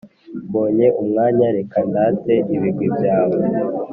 mbonye umwanya reka ndate ibigwi byawe ,